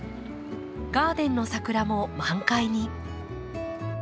ガーデンの桜も満開に。